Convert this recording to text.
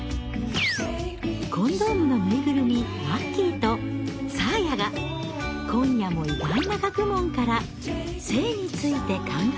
コンドームのぬいぐるみまっきぃとサーヤが今夜も意外な学問から性について考えていきます。